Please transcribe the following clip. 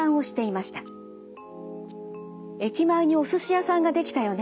「駅前にお寿司屋さんができたよね。